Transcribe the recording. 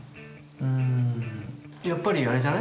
うんやっぱりあれじゃない？